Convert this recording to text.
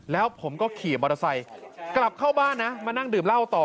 แล้วผมก็ขี่มอเตอร์ไซค์กลับเข้าบ้านนะมานั่งดื่มเหล้าต่อ